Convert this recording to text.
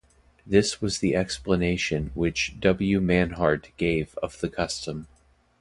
This was the explanation which W. Mannhardt gave of the custom.